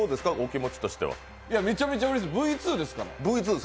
めちゃめちゃうれしい、Ｖ２ですから。